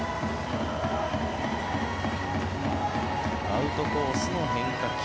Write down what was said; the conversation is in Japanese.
アウトコースの変化球。